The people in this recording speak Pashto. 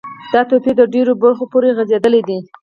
دا توپیر د ډیرو برخو پوری غځیدلی دی.